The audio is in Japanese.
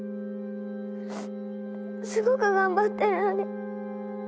すごく頑張ってるのに。